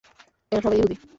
এরা সবাই ইহুদী।